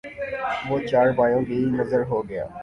وہ چارپائیوں کی نذر ہو گیا